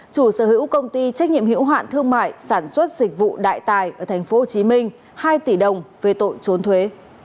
chủ sở hữu công ty trách nhiệm hiểu hạn thương mại sản xuất dịch vụ đại tài ở tp hcm hai tỷ đồng về tội trốn thuế